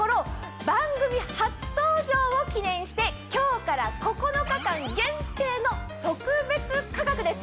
番組初登場を記念して今日から９日間限定の特別価格です。